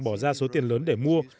bỏ ra số tiền lớn để mua